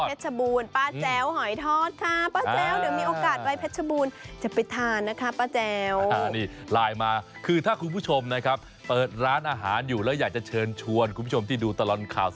หอยทอดเพชรบูรผ้าแจ๋วหอยทอดค่ะผ้าแจ๋วเดี๋ยวมีโอกาส